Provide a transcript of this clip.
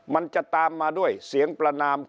มันจะตามมาด้วยเสียงประนาม